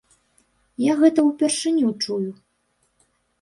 Я гэта ўпершыню чую.